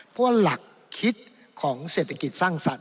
เพราะว่าหลักคิดของเศรษฐกิจสร้างสรรค